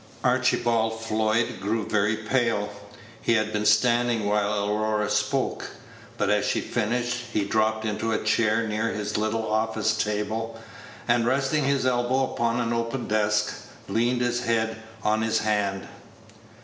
Archibald Floyd grew very pale. He had been standing while Aurora spoke, but as she finished he dropped into a chair near his little office table, and, resting his elbow upon an open desk, leaned his head on his hand.